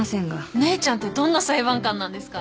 姉ちゃんってどんな裁判官なんですか？